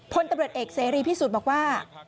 พลตำรวจเอกเสรีพิสุทธิ์บอกว่า